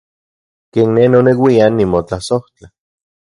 Ken ne noneuian nimotlasojtla.